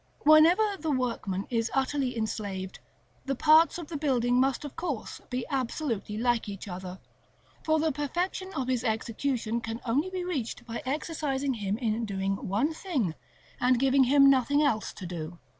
Wherever the workman is utterly enslaved, the parts of the building must of course be absolutely like each other; for the perfection of his execution can only be reached by exercising him in doing one thing, and giving him nothing else to do.